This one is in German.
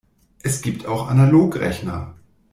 Es gibt auch Analogrechner.